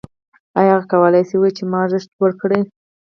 آیا هغه کولی شي ووايي چې ما ارزښت لوړ کړی